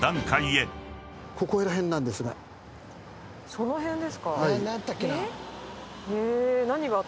その辺ですか。